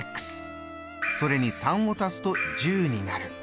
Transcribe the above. それに３を足すと１０になる。